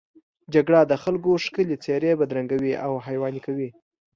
جګړه د خلکو ښکلې څېرې بدرنګوي او حیواني کوي